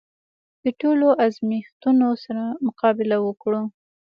د ټولو ازمېښتونو سره مقابله وکړو.